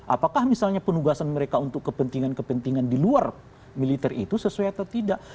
apakah misalnya penugasan mereka untuk kepentingan kepentingan di luar militer itu sesuai atau tidak